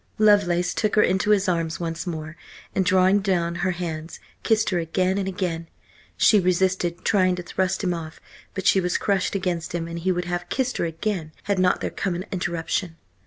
Lovelace took her into his arms once more, and drawing down her hands, kissed her again and again. She resisted, trying to thrust him off, but she was crushed against him, and he would have kissed her again, had not there come an interruption.